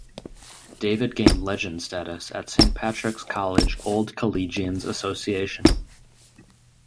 David gained legend status at Saint Patrick's College Old Collegians' Association.